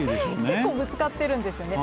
結構ぶつかってるんですよね。